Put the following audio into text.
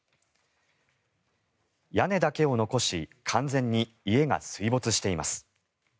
屋根だけを残し完全に家が水没しています。